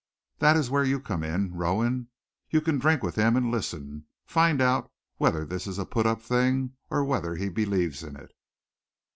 That is where you come in, Rowan. You can drink with him, and listen. Find out whether this is a put up thing or whether he believes in it."